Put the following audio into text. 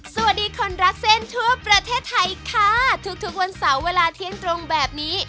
สวัสดีคนรักเส้นทั่วประเทศไทยค่ะทุกทุกวันเสาร์เวลาเที่ยงตรงแบบนี้